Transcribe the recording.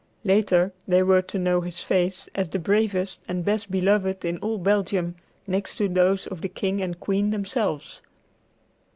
Later they were to know his face as the bravest and best beloved in all Belgium next to those of the King and Queen themselves.